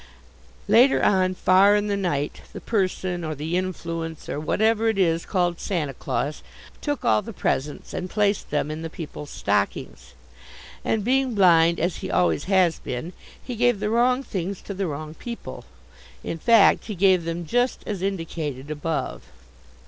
Later on, far in the night, the person, or the influence, or whatever it is called Santa Claus, took all the presents and placed them in the people's stockings. And, being blind as he always has been, he gave the wrong things to the wrong people in fact, he gave them just as indicated above.